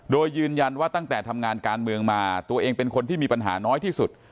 โดยยืนยันว่าตั้งแต่ทำงานการเมืองมาตัวเองเป็นคนที่มีปัญหาน้อยที่สุด